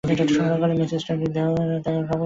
Mrs স্টার্ডির দেহত্যাগের খবরে বড়ই দুঃখিত হলাম।